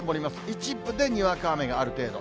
一部でにわか雨がある程度。